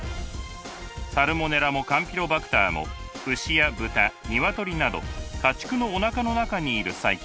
サルモネラもカンピロバクターも牛や豚鶏など家畜のおなかの中にいる細菌です。